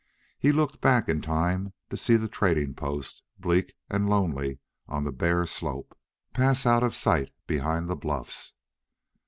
He looked back in time to see the trading post, bleak and lonely on the bare slope, pass out of sight behind the bluffs.